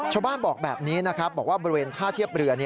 ชาวบ้านบอกแบบนี้นะครับบอกว่าบริเวณท่าเทียบเรือ